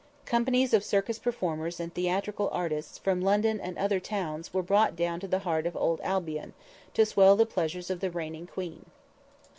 Companies of circus performers, and theatrical artists, from London and other towns were brought down to the heart of Old Albion to swell the pleasure of the reigning Queen.